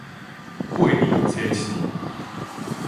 過年初四